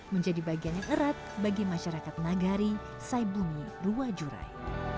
menjadi bagian yang erat bagi masyarakat nagari saibumi ruwajurai